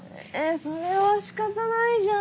それは仕方ないじゃん。